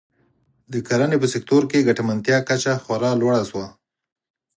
د کرنې په سکتور کې ګټمنتیا کچه خورا لوړه شوه.